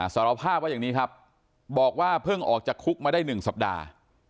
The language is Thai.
สารภาพว่าอย่างนี้ครับบอกว่าเพิ่งออกจากคุกมาได้๑สัปดาห์